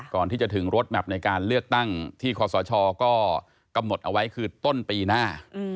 ก่อนที่จะถึงรถแมพในการเลือกตั้งที่คอสชก็กำหนดเอาไว้คือต้นปีหน้า